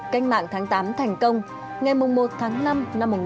canh mạng tháng tám thành công ngày mùng một tháng năm năm một nghìn chín trăm bốn mươi sáu